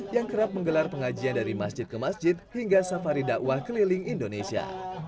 yang kerap menggelar pengajian dari masjid ke masjid hingga safari dakwah keliling indonesia